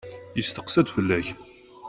Yesteqsa-d fell-ak.